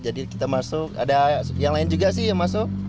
jadi kita masuk ada yang lain juga sih yang masuk